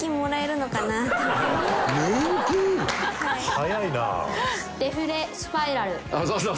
早いなあ。